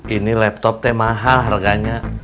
ini laptop teh mahal harganya